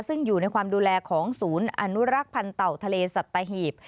ซึ่งอยู่ในความดูแลของศูนย์อนุรักษ์พันธ์เต่าทะเลสัตหีบ